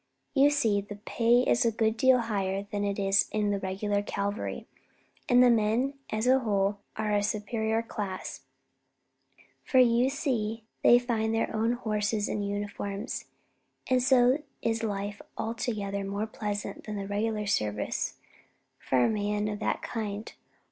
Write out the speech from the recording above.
You see the pay is a good deal higher than it is in the regular cavalry, and the men as a whole are a superior class, for you see they find their own horses and uniforms, so the life is altogether more pleasant than the regular service for a man of that kind.